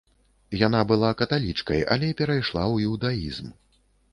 Яна была каталічкай, але перайшла ў іўдаізм.